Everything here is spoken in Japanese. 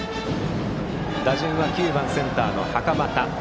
打順は９番センターの袴田。